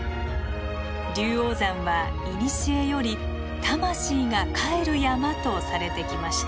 龍王山は古より「魂が帰る山」とされてきました。